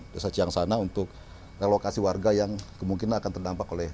desa siang sana untuk relokasi warga yang kemungkinan akan terdampak oleh